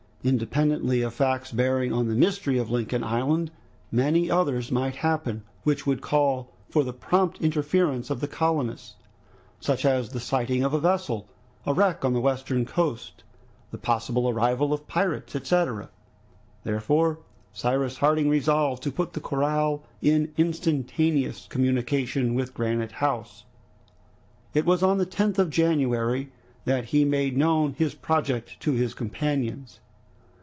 Independently of facts bearing on the mystery of Lincoln Island, many others might happen, which would call for the prompt interference of the colonists, such as the sighting of a vessel, a wreck on the western coast, the possible arrival of pirates, etc. Therefore Cyrus Harding resolved to put the corral in instantaneous communication with Granite House. It was on the 10th of January that he made known his project to his companions.